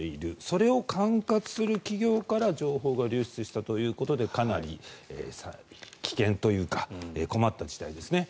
それを管轄する企業から情報が流出したということでかなり危険というか困った事態ですね。